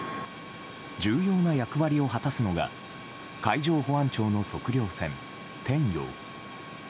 重要な役割を果たすのが海上保安庁の測量船「天洋」。